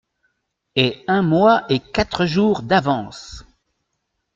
Et un mois et quatre jours d’avance !…